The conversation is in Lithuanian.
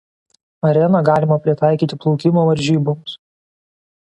Areną galimą pritaikyti plaukimo varžyboms.